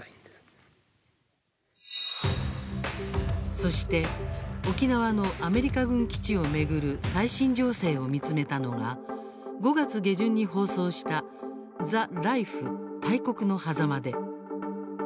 そして沖縄のアメリカ軍基地を巡る最新情勢を見つめたのが５月下旬に放送した「ザ・ライフ大国の狭間で」。